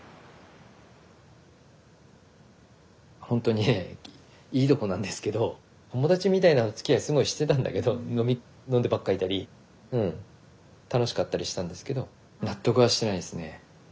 本当にいいとこなんですけど友達みたいなおつきあいすごいしてたんだけど飲んでばっかいたりうん楽しかったりしたんですけど納得はしてないですね